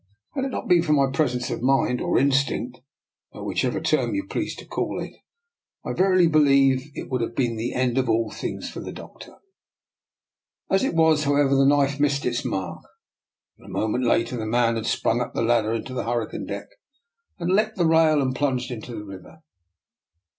Had it not been for my presence of mind, or instinct, by whichever term you please to call it, I verily believe it would have been the end of all things for the Doctor. As it was however, the knife missed its mark, and a mo ment later the man had sprung up the ladder to the hurricane deck and leaped the rail and plunged into the river.